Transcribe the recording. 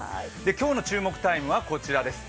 今日の注目タイムはこちらです。